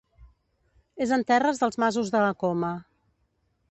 És en terres dels Masos de la Coma.